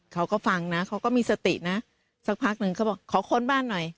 เขาก็ฟังนะเขาก็มีสตินะสักพักหนึ่งเขาบอกขอค้นบ้านหน่อย